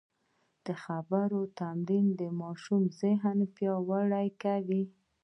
د خبرو تمرین د ماشوم ذهن پیاوړی کوي.